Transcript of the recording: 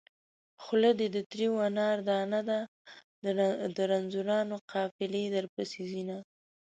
خوله دې د تريو انار دانه ده د رنځورانو قافلې درپسې ځينه